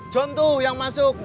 john tuh yang masuk